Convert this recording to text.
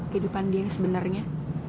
kehidupan dia yang sebenarnya